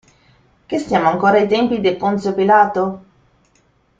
Che stiamo ancora ai tempi de Ponzio Pilato?